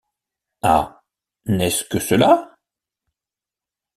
Ah ! n’est-ce que cela ?